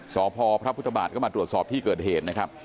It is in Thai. สพพระพุทธบาทก็มาตรวจสอบที่เกิดเหตุนะครับ